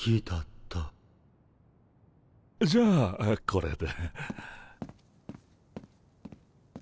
じゃあこれで。